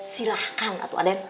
silahkan aduh aden